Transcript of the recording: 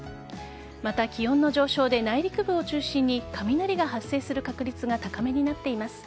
また、気温の上昇で内陸部を中心に雷が発生する確率が高めになっています。